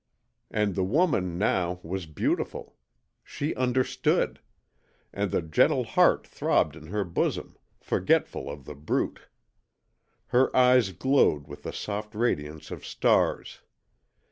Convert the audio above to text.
And the woman, now, was beautiful. She UNDERSTOOD; and the gentle heart throbbed in her bosom, forgetful of The Brute. Her eyes glowed with the soft radiance of stars.